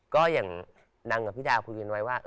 ก็อย่างดังกับพี่ดาวคุยกันไว้ว่า